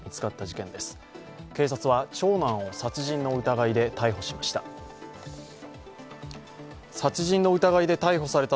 警察は長男を殺人の疑いで逮捕しました。